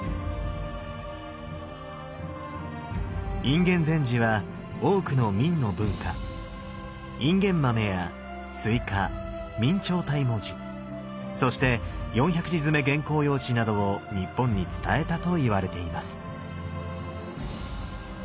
隠元禅師は多くの明の文化インゲン豆やすいか明朝体文字そして４００字詰め原稿用紙などを日本に伝えたといわれています。